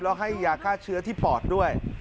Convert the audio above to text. แล้วให้ยาฆ่าเชื้อที่ปอดด้วย